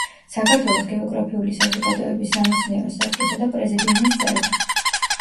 საქართველოს გეოგრაფიული საზოგადოების სამეცნიერო საბჭოსა და პრეზიდიუმის წევრი.